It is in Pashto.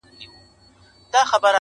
نظم د سترو موخو ملا ده.!